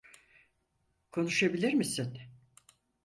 Konuşabilir misin?